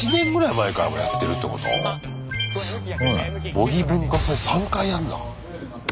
模擬文化祭３回やんだ。